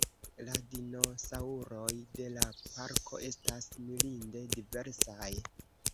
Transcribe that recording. La dinosaŭroj de la parko estas mirinde diversaj.